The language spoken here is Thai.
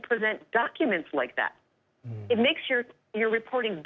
เป็นการปฏิเสธและปฏิเสธข้อมูลความฟัง